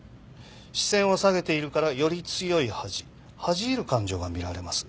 視線を下げているからより強い恥恥じ入る感情が見られます。